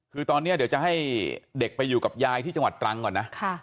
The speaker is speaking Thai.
คือตอนนี้เดี๋ยวจะให้เด็กไปอยู่กับยายที่จังหวัดตรังก่อนนะ